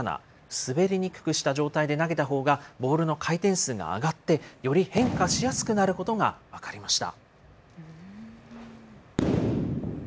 滑りにくくした状態で投げたほうが、ボールの回転数が上がって、より変化しやすくなることが分かりました。